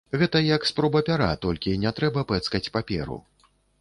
Гэта як спроба пяра, толькі не трэба пэцкаць паперу.